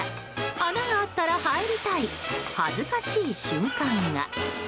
穴があったら入りたい恥ずかしい瞬間が。